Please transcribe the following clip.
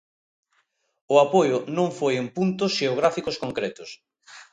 O apoio non foi en puntos xeográficos concretos.